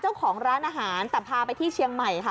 เจ้าของร้านอาหารแต่พาไปที่เชียงใหม่ค่ะ